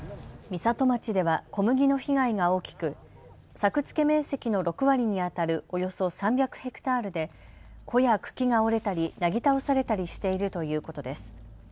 美里町では小麦の被害が大きく作付面積の６割にあたるおよそ３００ヘクタールで穂や茎が折れたり、なぎ倒されたりしているということです。